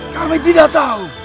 kami tidak tahu